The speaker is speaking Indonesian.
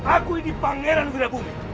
aku ini pangeran wirabumi